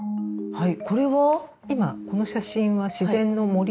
はい。